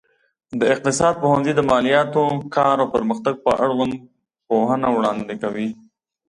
د اقتصاد پوهنځی د مالياتو، کار او پرمختګ په اړوند پوهنه وړاندې کوي.